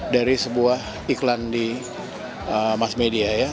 dari sebuah iklan di mass media ya